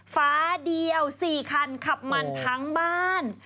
ฟ้าเดียว๔คันขับมันทั้งบ้าน